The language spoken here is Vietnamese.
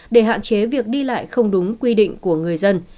để hạn chế việc đi lại không đúng quy định của người dân